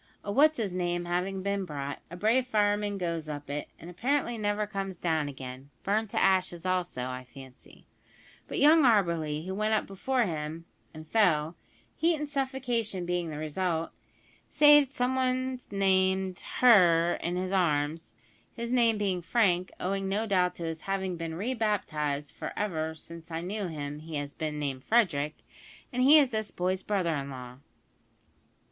A `what's his name' having been brought, a brave fireman goes up it, and apparently never comes down again (burned to ashes also, I fancy); but young Auberly, who went up before him, and fell heat and suffocation being the result saved some one named `her' in his arms; his name being Frank (owing no doubt to his having been re baptised, for ever since I knew him he has been named Frederick), and he is this boy's brother in law!"